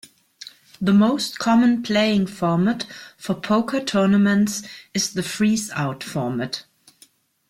The most common playing format for poker tournaments is the "freezeout" format.